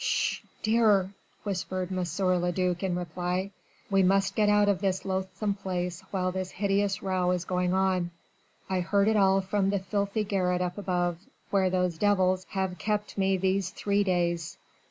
"Sh! dear!" whispered M. le duc in reply. "We must get out of this loathsome place while this hideous row is going on. I heard it all from the filthy garret up above, where those devils have kept me these three days.